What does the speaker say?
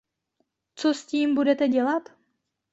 Co s tím budete dělat?